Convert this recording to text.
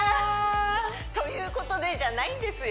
「ということで」じゃないんですよ